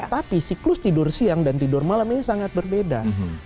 tapi siklus tidur siang dan tidur malam ini sangat berbeda